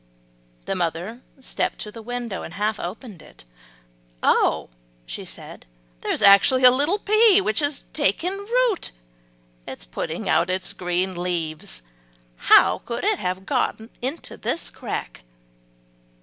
The mother stepped to the window and half opened it. "Oh!" she said, "there is actually a little pea which has taken root and is putting out its green leaves. How could it have got into this crack?